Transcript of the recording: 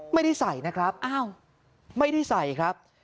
ไม่ได้ใส่นะครับ